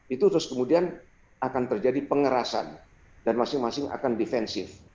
itu terus kemudian akan terjadi pengerasan dan masing masing akan defensif